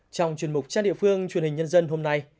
trong chuyên mục trang địa phương truyền hình nhân dân hôm nay